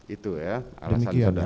itu ya alasan saudara